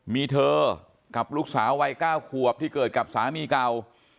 มีเธอกับลูกสาววัย๙ขวบที่เกิดกับสามีเก่า